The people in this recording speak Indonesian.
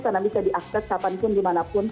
karena bisa diakses kapanpun dimanapun